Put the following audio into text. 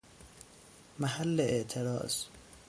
محل اعتراض